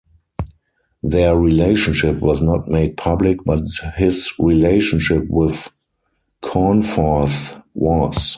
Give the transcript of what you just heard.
Their relationship was not made public but his relationship with Cornforth was.